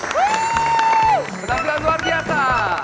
tepuk tangan luar biasa